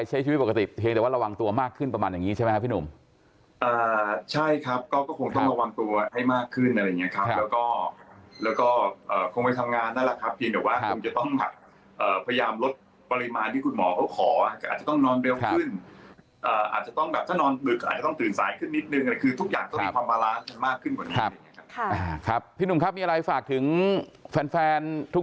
ใช่ครับก็คงต้องระวังตัวให้มากขึ้นอะไรอย่างเงี้ยครับแล้วก็คงไปทำงานได้แหละครับเพียงเดี๋ยวว่าคงจะต้องแบบพยายามลดปริมาณที่คุณหมอเขาขออาจจะต้องนอนเร็วขึ้นอาจจะต้องแบบถ้านอนหลึกอาจจะต้องตื่นสายขึ้นนิดหนึ่งคือทุกอย่างต้องมีความปราร้านมากขึ้นกว่านี้ครับพี่หนุ่มครับมีอะไรฝากถึงแฟนทุก